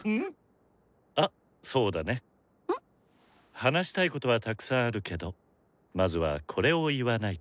話したいことはたくさんあるけどまずはこれを言わないと。